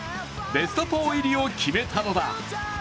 ベスト４入りを決めたのだ。